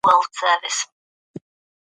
نثر مسجع په نظم کې هم ردیف لري.